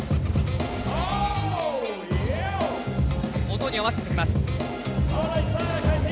音に合わせてきます。